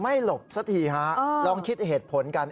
ไม่หลบสักทีครับลองคิดเหตุผลกัน